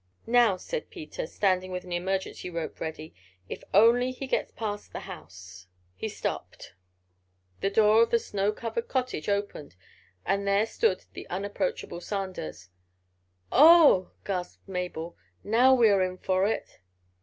"Now!" said Peter, standing with an emergency rope ready, "if only he gets past the house——" He stopped. The door of the snow covered cottage opened, and there stood the unapproachable Sanders. "Oh!" gasped Mabel. "Now we are in for it!"